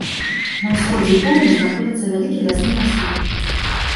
На ўсходзе і поўдні знаходзіцца вялікі лясны масіў.